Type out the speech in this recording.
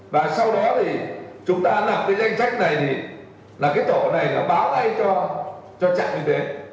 và sau đó thì chúng ta nạp cái danh sách này thì là cái tổ này là báo ngay cho trạm y tế